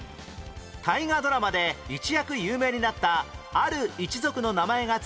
大河ドラマで一躍有名になったある一族の名前が付く